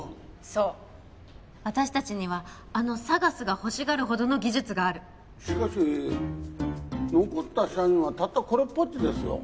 そう私達にはあのＳＡＧＡＳが欲しがるほどの技術があるしかし残った社員はたったこれっぽっちですよ